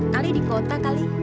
kali di kota kali